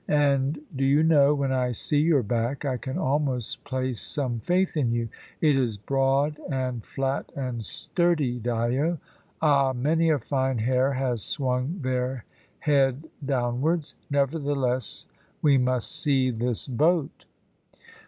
And, do you know, when I see your back, I can almost place some faith in you. It is broad and flat and sturdy, Dyo. Ah! many a fine hare has swung there head downwards. Nevertheless, we must see this boat."